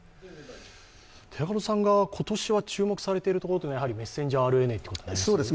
寺門さんが今年注目されているところはメッセンジャーＲＮＡということですか。